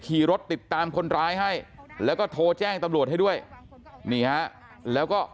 ขี่รถติดตามคนร้ายให้แล้วก็โทรแจ้งตำรวจให้ด้วยนี่ฮะแล้วก็